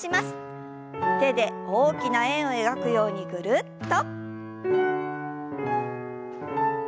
手で大きな円を描くようにぐるっと。